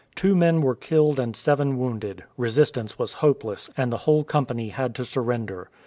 Two men were killed and seven wounded; resistance was hopeless, and the whole company had to surrender.